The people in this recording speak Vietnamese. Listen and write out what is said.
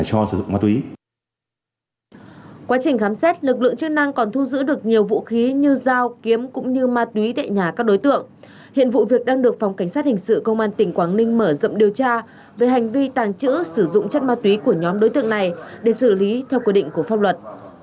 quá trình khám xét lực lượng chức năng còn thu giữ được nhiều vũ khí như dao kiếm cũng như ma túy tại nhà các đối tượng hiện vụ việc đang được phòng cảnh sát hình sự công an tỉnh quảng ninh mở rộng điều tra về hành vi tàng trữ sử dụng chất ma túy của nhóm đối tượng này để xử lý theo quy định của pháp luật